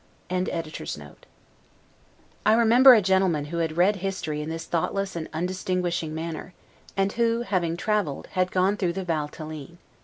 ] I remember a gentleman who had read history in this thoughtless and undistinguishing manner, and who, having traveled, had gone through the Valtelline.